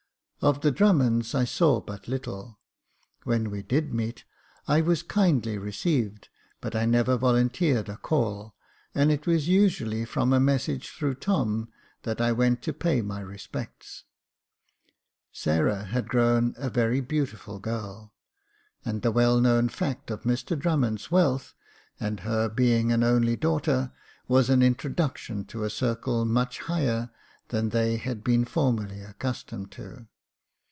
Of the Drummonds I saw but little ; when we did meet, I was kindly received, but I never volunteered a call, and it was usually from a message through Tom, that I went to pay my respects. Sarah had grown a very beautiful girl, and the well known fact of Mr Drummond's wealth, and her being an only daughter, was an introduc tion to a circle much higher than they had been formerly accustomed to.